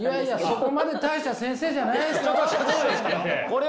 そこまで大した先生じゃないですよ。